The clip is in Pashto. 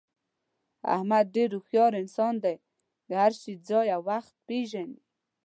احمد ډېر هوښیار انسان دی، د هر شي ځای او وخت پېژني.